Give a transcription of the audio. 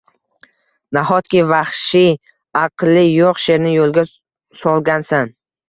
Nahotki vaxshiy, aqli yoʻq sherni yoʻlga solgansan?